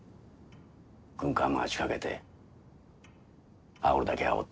「軍艦マーチ」かけてあおるだけあおって。